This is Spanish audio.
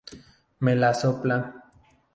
Me la sopla